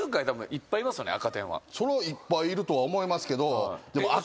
いっぱいいるとは思うけど。